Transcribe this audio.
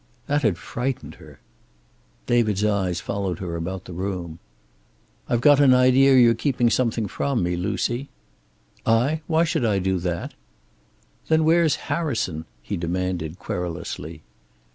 That had frightened her David's eyes followed her about the room. "I've got an idea you're keeping something from me, Lucy." "I? Why should I do that?" "Then where's Harrison?" he demanded, querulously.